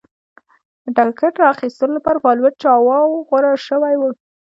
د ټکټ را ایستلو لپاره فالوټ چاواوا غوره شوی و.